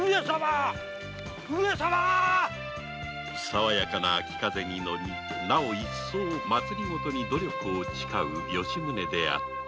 さわやかな秋風に乗りなお一層政治に努力を誓う吉宗であった